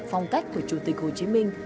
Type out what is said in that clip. phong cách của chủ tịch hồ chí minh